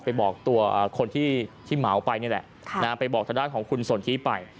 ไปบอกตัวคนที่เหมาไปนี่แหละไปบอกทางด้านของคุณสนทิไป